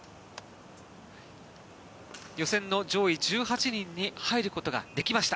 予選の上位１８人に入ることができました。